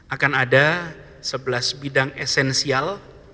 akan ada sebelas bidang esensial